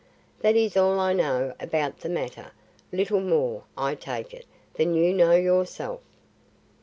That is all I know about the matter; little more, I take it, than you know yourself."